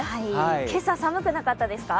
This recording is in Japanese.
今朝、寒くなかったですか？